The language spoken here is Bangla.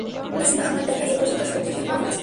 ওটা ছিল আমার দেখা এ পর্যন্ত সত্যিকারের সাহসী কোনও কাজ!